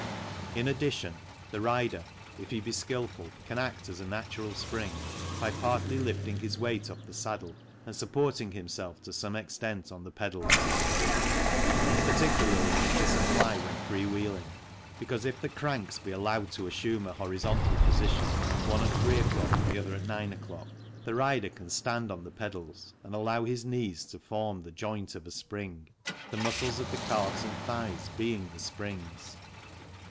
In addition, the rider, if he be skilful, can act as a natural spring by partly lifting his weight off the saddle and supporting himself to some extent on the pedals. 66 THE CYCLE INDUSTRY Particularly does this apply when free wheeling, because if the cranks be allowed to assume a horizontal position, one at 3 o'clock and the other at 9 o'clock, the rider can stand on the pedals and allow his knees to form the joint of a spring, the muscles of the calves and thighs being the springs.